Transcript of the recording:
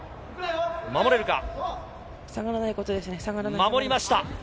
守りました。